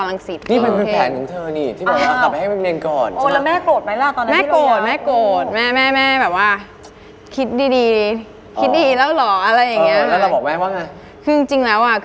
อเรนนี่ต้องไปเรียนที่เชียงใหม่ไหม